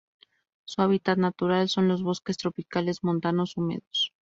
Su hábitat natural son los bosques tropicales montanos húmedos.